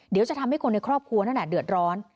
เดี๋ยวจะทำให้คนในครอบครัวเดือดร้อน